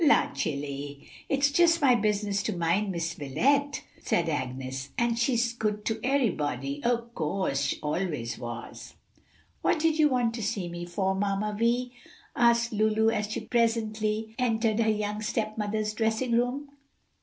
"La! chile, it's jus' my business to mind Miss Wilet," returned Agnes. "An' she's good to eberybody, ob cose always was." "What did you want to see me for, Mamma Vi?" asked Lulu, as she presently entered her young stepmother's dressing room.